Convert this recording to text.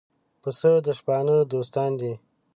پسه د شپانه دوستان دي.